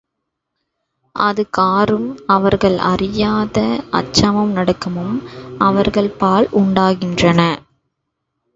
அதுகாறும் அவர்கள் அறியாத அச்சமும் நடுக்கமும் அவர்கள் பால் உண்டாகின்றன.